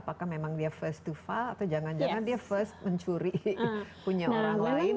apakah memang dia first to file atau jangan jangan dia first mencuri punya orang lain